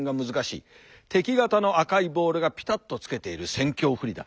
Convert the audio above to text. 敵方の赤いボールがピタッとつけている戦況不利だ。